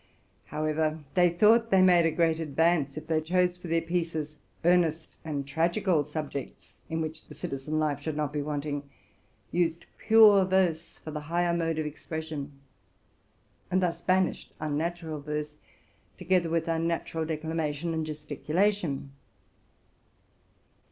However, they thought they made a great advance, if they chose for their pieces earnest and tragical subjects, in which the citi zen life should not be wanting, used prose for the higher mode of expression, and thus banished unnatural verse, together with unnatural declamation and gesticulation.